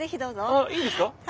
あっいいんですか？